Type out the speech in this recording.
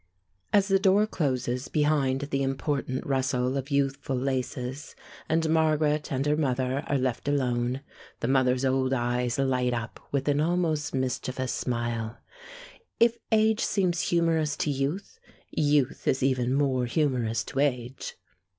As the door closes behind the important rustle of youthful laces, and Margaret and her mother are left alone, the mother's old eyes light up with an almost mischievous smile. If age seems humorous to youth, youth is even more humorous to age.